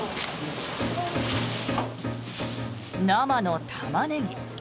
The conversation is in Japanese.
生のタマネギ。